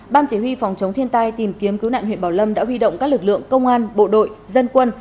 ban chỉ huy phòng chống thiên tai tìm kiếm cứu nạn huyện bảo lâm đã huy động các lực lượng công an bộ đội dân quân